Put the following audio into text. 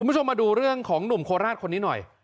คุณผู้ชมมาดูเรื่องของหนุ่มโคราชคนนี้หน่อย